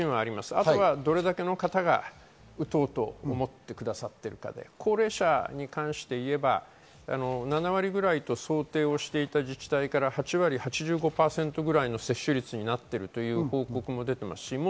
あとはどれだけの方が打とうと思ってくださっているか、高齢者に関して言えば、７割くらいと想定していた自治体から、８割、８５％くらいの接種率になっていると報告も受けています。